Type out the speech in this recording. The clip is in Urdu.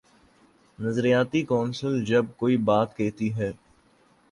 نظریاتی کونسل جب کوئی بات کہتی ہے۔